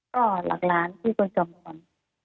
ก็หลักล้านที่คุณจอมขวัญ